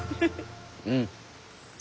うん。